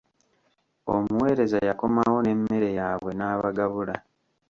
Omuweereza yakomawo ne mmere yaabwe n'abagabula!